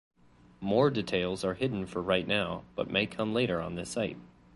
More details are hidden for right now, but may come later on this site.